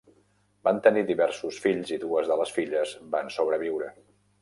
Van tenir diversos fills, i dues de les filles van sobreviure.